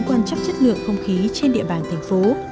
quan chắc chất lượng không khí trên địa bàn thành phố